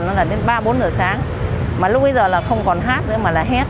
nó là đến ba bốn giờ sáng mà lúc bây giờ là không còn hát nữa mà là hết